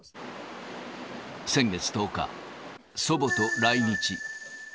先月１０日、祖母と来日。